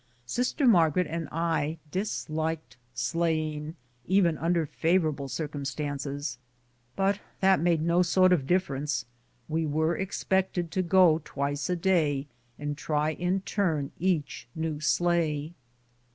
Sister Margaret and I disliked sleighing even un^er favorable circum INCIDENTS OF EVERY DAY LIFE. 113 stances, but that made no sort of difference ; we were ex pected to go twice a day, and try in turn each new sleigh.